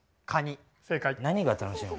何が楽しいの？